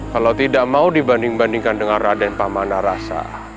kalau tidak mau dibanding bandingkan dengan raden pamana rasa